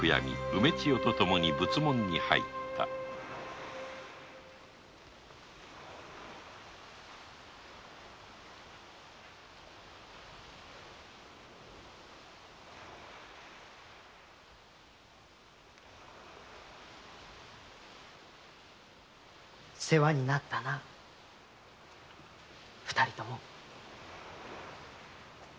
梅千代とともに仏門に入った世話になったな二人とも達者でな。